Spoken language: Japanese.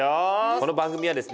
この番組はですね